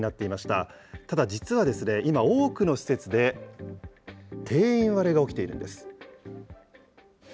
ただ実はですね、今、多くの施設で定員割れが起きているんです。